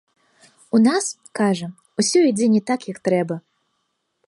У нас, кажа, усё ідзе не так, як трэба.